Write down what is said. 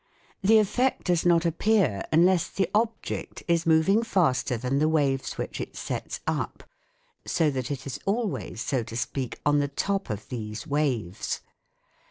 The effect does not appear unless the object is moving faster than the waves which it sets up, so that it is always, so to speak, on the top of 182 THE WORLD OF SOUND these waves.